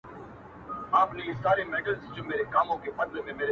چي لا ولي لیري پروت یې ما ته نه یې لا راغلی!!